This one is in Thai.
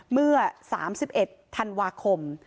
เมื่อ๓๑ธันวาคม